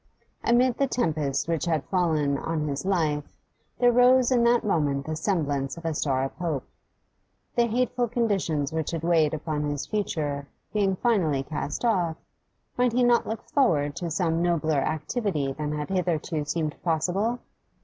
Amid the tempest which had fallen on his life there rose in that moment the semblance of a star of hope. The hateful conditions which had weighed upon his future being finally cast off, might he not look forward to some nobler activity than had hitherto seemed possible?